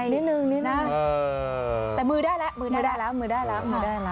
แต่มือได้แล้ว